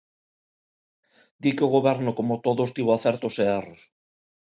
Di que o Goberno, como todos, tivo acertos e erros.